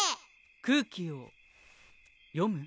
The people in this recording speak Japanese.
空気を読む？